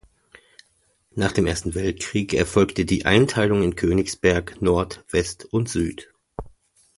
Nach dem Ersten Weltkrieg erfolgte die Einteilung in Königsberg, Nord, West und Süd.